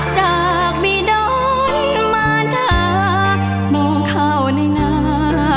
จากบิดลมานามองเท้าในหน้า